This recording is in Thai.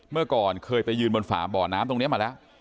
เมื่อก่อนเคยไปยืนบนฝาบ่อน้ำตรงนี้มาแล้ว